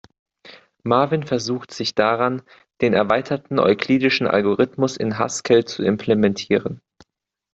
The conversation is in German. Marvin versucht sich daran, den erweiterten euklidischen Algorithmus in Haskell zu implementieren.